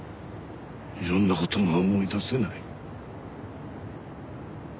いろんな事が思い出せない。